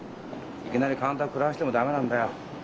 いきなりカウンター食らわしても駄目なんだよ。